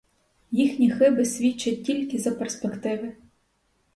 Їхні хиби свідчать тільки за перспективи.